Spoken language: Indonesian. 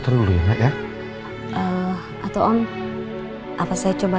berarti berarti tidak ada masalah